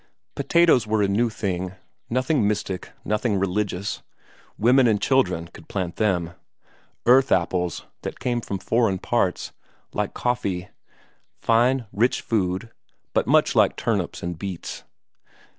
Potatoes were a new thing, nothing mystic, nothing religious; women and children could plant them earth apples that came from foreign parts, like coffee; fine rich food, but much like swedes and mangolds.